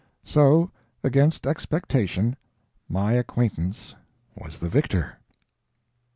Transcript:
So, against expectation, my acquaintance was the victor.